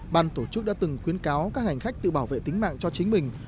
ban tổ chức đã từng khuyến cáo các hành khách tự bảo vệ tính mạng cho chính mình